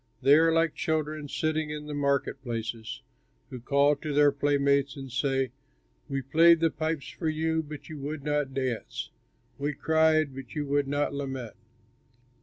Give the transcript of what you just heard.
They are like children sitting in the market places, who call to their playmates and say: "'We played the pipes for you but you would not dance; We cried but you would not lament.'